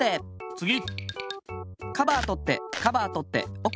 つぎ！